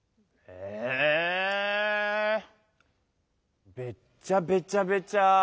えべっちゃべちゃべちゃ。